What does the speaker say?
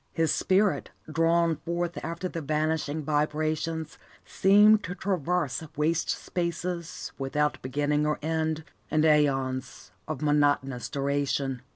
His spirit, drawn forth after the vanishing vibrations, seemed to traverse waste spaces without beginning or ending, and aeons of monotonous duration.